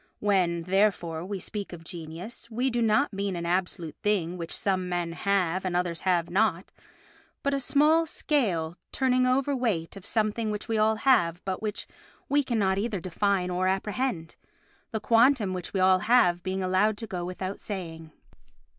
When, therefore, we speak of genius we do not mean an absolute thing which some men have and others have not, but a small scale turning overweight of a something which we all have but which we cannot either define or apprehend—the quantum which we all have being allowed to go without saying.